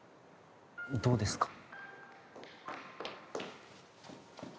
どうですか？